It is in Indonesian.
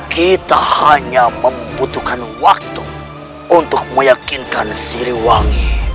kita hanya membutuhkan waktu untuk meyakinkan siri wangi